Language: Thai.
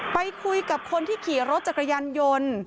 ไปคุยกับคนที่ขี่รถจักรยานยนต์